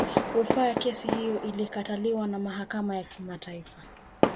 rufaa ya kesi hiyo iliikataliwa na mahakama ya mataifa